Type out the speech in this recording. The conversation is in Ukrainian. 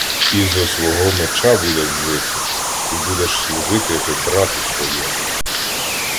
І зо свого меча будеш жити, і будеш служити ти брату своєму.